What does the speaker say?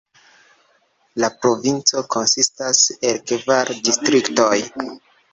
La provinco konsistas el kvar distriktoj.